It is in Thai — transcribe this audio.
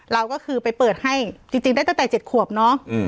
เราก็คือไปเปิดให้จริงได้ตั้งแต่๗ขวบเนาะ